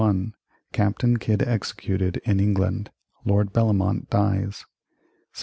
Captain Kidd executed in England Lord Bellomont dies 1702.